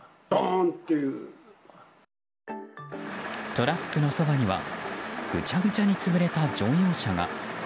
トラックのそばにはぐちゃぐちゃに潰れた乗用車が。